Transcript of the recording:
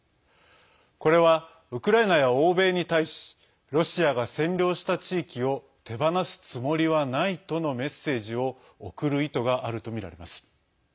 これは、ウクライナや欧米に対しロシアが占領した地域を手放すつもりはないとのメッセージを送る意図があるとみられます。